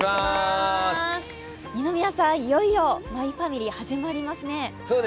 二宮さん、いよいよ「マイファミリー」始まりますね。